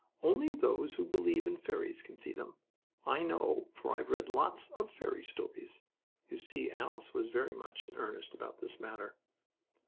"Only those who believe in fairies can see them. I know, for I've read lots of fairy stories." You see Alice was very much in earnest about this matter.